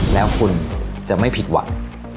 แล้วคุณจะไม่ผิดหวัง